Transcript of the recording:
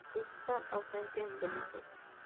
Está ausente en Belice.